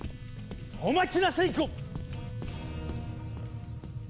お待ちなさい！